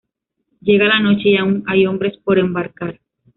Llega la noche y aún hay hombres por embarcar.